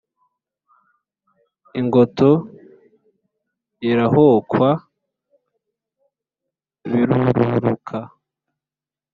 Ingoto irahokwa birururuka: